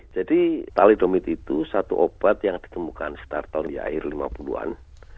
jadi telodomid itu satu obat yang ditemukan setelah tahun lima puluh an